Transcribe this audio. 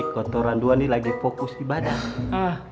ketua tua ini lagi fokus ibadah